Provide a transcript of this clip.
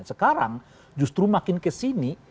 sekarang justru makin kesini